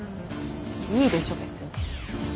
いいでしょ別に。